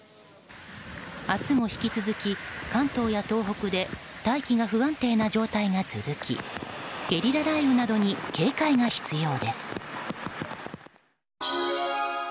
明日も引き続き、関東や東北で大気が不安定な状態が続きゲリラ雷雨などに警戒が必要です。